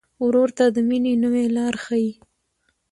ورور ته د مینې نوې لاره ښيي.